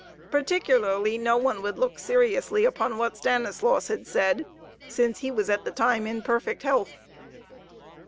Particularly no one would look seriously upon what Stanislaus had said, since he was at the time in perfect health.